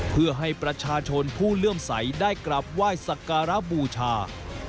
เพื่อให้ประชาชนผู้เลื่อมใสได้กราบไหว้สักการะบูชา